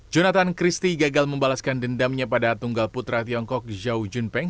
jonathan christie gagal membalaskan dendamnya pada tunggal putra tiongkok zhao jun peng